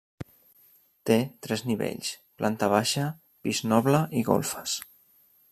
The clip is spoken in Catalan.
Té tres nivells: planta baixa, pis noble i golfes.